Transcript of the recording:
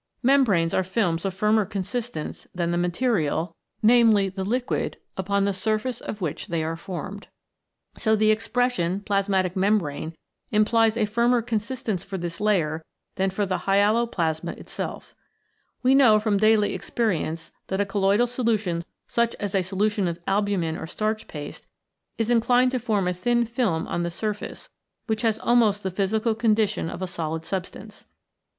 Membranes are films of firmer consistence than the material, viz. the liquid upon the surface of which they are formed. So the expression plasmatic membrane implies a firmer consistence for this layer than for the hyaloplasm itself. We know from daily experience that a colloidal solution such as a solution of albu min or starch paste, is inclined to form a thin film on the surface, which has almost the physical con dition of a solid substance.